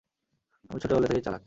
আমি ছোটবেলা থেকেই চালাক।